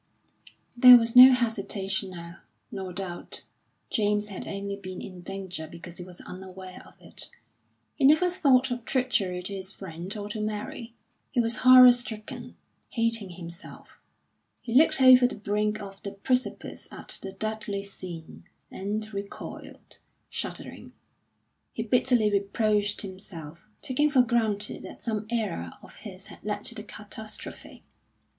There was no hesitation now, nor doubt; James had only been in danger because he was unaware of it. He never thought of treachery to his friend or to Mary; he was horror stricken, hating himself. He looked over the brink of the precipice at the deadly sin, and recoiled, shuddering. He bitterly reproached himself, taking for granted that some error of his had led to the catastrophe.